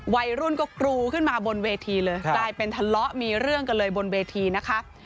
วัยรุ่นก็กรูขึ้นมาบนเวทีเลยกลายเป็นทะเลาะมีเรื่องกันเลยบนเวทีนะคะ